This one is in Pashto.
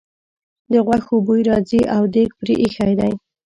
د غوښو بوی راځي او دېګ پرې ایښی دی.